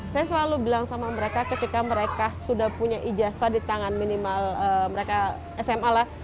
saya selalu bilang sama mereka ketika mereka sudah punya ijazah di tangan minimal mereka sma lah